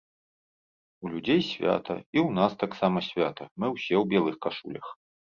У людзей свята, і ў нас таксама свята, мы ўсе ў белых кашулях.